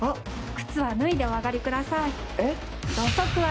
靴はぬいでお上がり下さい。